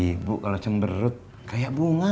ibu kalau cemberut kayak bunga